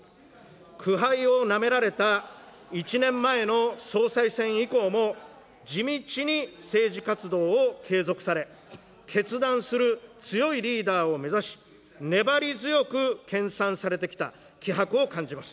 苦杯をなめられた１年前の総裁選以降も、地道に政治活動を継続され、決断する強いリーダーを目指し、粘り強く研さんされてきた気迫を感じます。